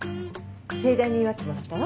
盛大に祝ってもらったわ。